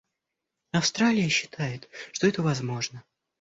Австралия считает, что это возможно.